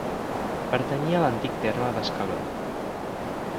Pertanyia a l'antic terme d'Escaló.